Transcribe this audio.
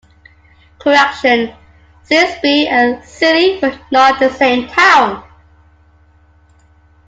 Correction: Silsbee and Seeley were not the same town.